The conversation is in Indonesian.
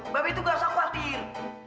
babi tuh gak usah khawatir